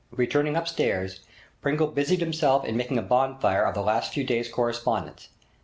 Returning upstairs, Pringle busied himself in making a bonfire of the last few days' correspondence.